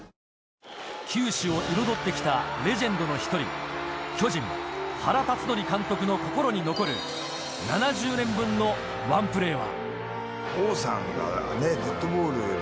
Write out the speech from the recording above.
球史を彩ってきたレジェンドの１人、巨人・原辰徳監督の心に残る７０年分のワンプレーは。